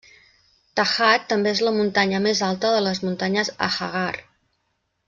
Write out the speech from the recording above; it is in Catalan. Tahat també és la muntanya més alta de les muntanyes Ahaggar.